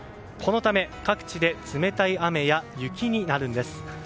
このため、各地で冷たい雨や雪になるんです。